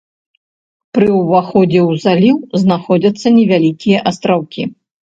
Пры ўваходзе ў заліў знаходзяцца невялікія астраўкі.